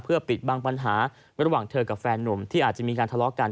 ปิดบางปัญหาระหว่างเธอกับแฟนนุ่มที่อาจจะมีการทะเลาะกัน